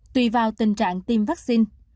tùy vào tình trạng tiêm vaccine